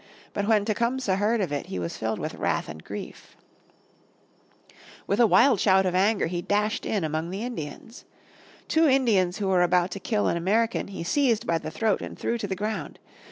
But when Tecumseh heard of it he was filled with wrath and grief. With a wild shout of anger he dashed in among the Indians. Two Indians who were about to kill an American he seized by the throat and threw to the ground.